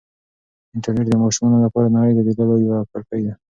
انټرنیټ د ماشومانو لپاره د نړۍ د لیدلو یوه کړکۍ ده.